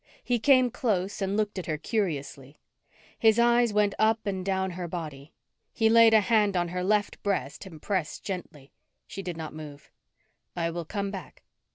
He came close and looked at her curiously. His eyes went up and down her body. He laid a hand on her left breast and pressed gently. She did not move. "I will come back.